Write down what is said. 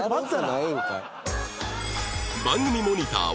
番組モニター